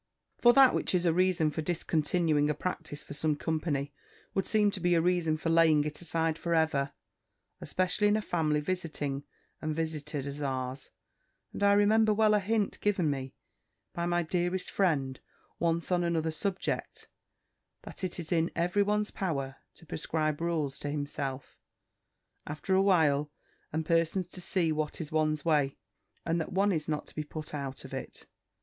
For that which is a reason for discontinuing a practice for some company, would seem to be a reason for laying it aside for ever, especially in a family visiting and visited as ours. And I remember well a hint given me by my dearest friend once on another subject, that it is in every one's power to prescribe rules to himself, after a while, and persons to see what is one's way, and that one is not to be put out of it.